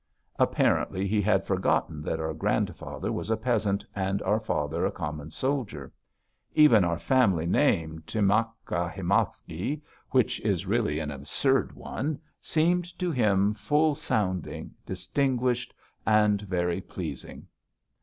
Apparently he had forgotten that our grandfather was a peasant and our father a common soldier. Even our family name, Tchimacha Himalaysky, which is really an absurd one, seemed to him full sounding, distinguished, and very pleasing.